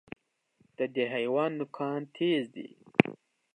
د دې حیوان نوکان تېز دي.